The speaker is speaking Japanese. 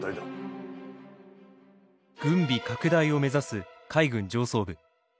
軍備拡大を目指す海軍上層部。